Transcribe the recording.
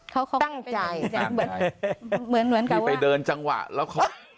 เขาเขาตั้งใจเหมือนเหมือนกับว่าพี่ไปเดินจังหวะแล้วเขา